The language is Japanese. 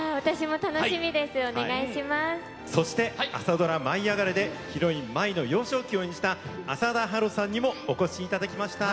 そして朝ドラ「舞いあがれ！」でヒロイン舞の幼少期を演じた浅田芭路さんにもお越しいただきました。